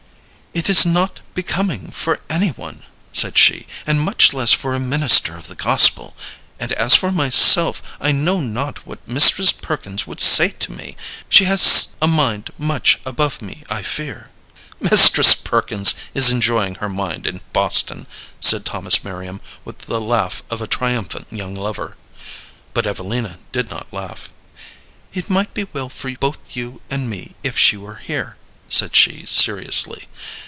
"It is not becoming for any one," said she, "and much less for a minister of the gospel. And as for myself, I know not what Mistress Perkins would say to me. She has a mind much above me, I fear." "Mistress Perkins is enjoying her mind in Boston," said Thomas Merriam, with the laugh of a triumphant young lover. But Evelina did not laugh. "It might be well for both you and me if she were here," said she, seriously.